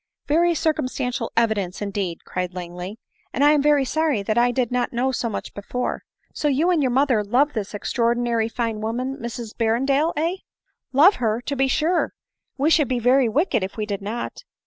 " Very circumstantial evidence, indeed !" cried Lang ley, " and I am very sorry that I did not know so much before. So you and your mother love this extraordinary fine woman, Mrs Berrendale, heh ?"" Love her ! To be sure — we should be very wicked if we did not.